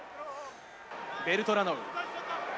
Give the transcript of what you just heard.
ベルトラノウ。